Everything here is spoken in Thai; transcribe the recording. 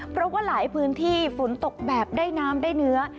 เพราะว่าหลายพื้นที่ฝนตกแบบได้น้ำได้เนื้อ